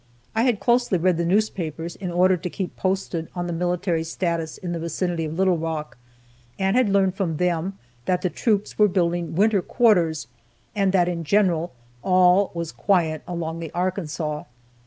I had closely read the newspapers in order to keep posted on the military status in the vicinity of Little Rock, and had learned from them that the troops were building winter quarters, and that in general, "All was quiet along the Arkansas."